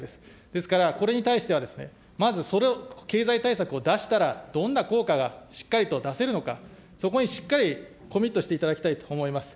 ですから、これに対しては、まず、その経済対策を出したらどんな効果がしっかりと出せるのか、そこにしっかりコミットしていただきたいと思います。